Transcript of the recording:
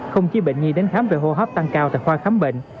không chỉ bệnh nhi đến khám về hô hấp tăng cao tại khoa khám bệnh